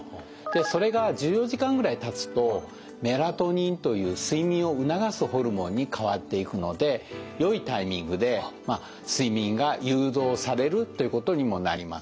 それが１４時間ぐらいたつとメラトニンという睡眠を促すホルモンに変わっていくのでよいタイミングで睡眠が誘導されるということにもなります。